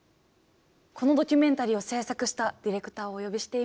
このドキュメンタリーを制作したディレクターをお呼びしています。